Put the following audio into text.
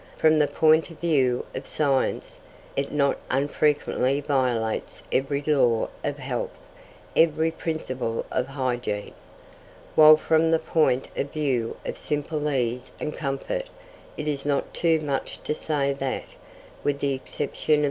From the point of view of science, it not unfrequently violates every law of health, every principle of hygiene. While from the point of view of simple ease and comfort, it is not too much to say that, with the exception of M.